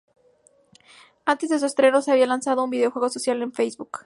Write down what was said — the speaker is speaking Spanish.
Antes de su estreno se había lanzado un videojuego social en Facebook.